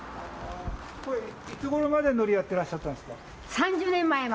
これいつごろまで海苔やってらっしゃったんですか？